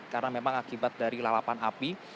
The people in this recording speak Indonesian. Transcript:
karena memang akibat dari lalapan api